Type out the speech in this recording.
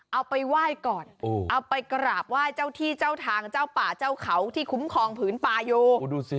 เอาไปไหว้ก่อนเอาไปกราบไหว้เจ้าที่เจ้าทางเจ้าป่าเจ้าเขาที่คุ้มครองผืนป่าโย